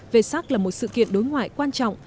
về sắc là một sự kiện đối ngoại quan trọng